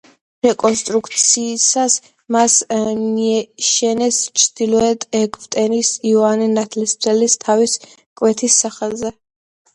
რეკონსტრუქციისას მას მიაშენეს ჩრდილოეთი ეგვტერი იოანე ნათლისმცემლის თავის კვეთის სახელზე.